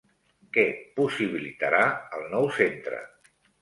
Què possibilitarà el nou centre?